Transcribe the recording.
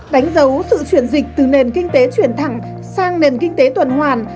đánh dấu sự chuyển dịch từ nền kinh tế chuyển thẳng sang nền kinh tế tuần hoàn